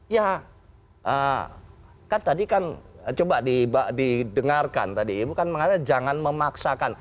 ya kan tadi kan coba didengarkan tadi ibu kan mengatakan jangan memaksakan